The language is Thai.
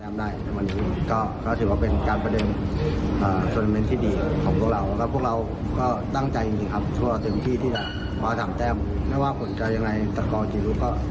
มาถามแจ้มไม่ว่าผลการณ์ยังไงแต่ก่อนที่รู้ก็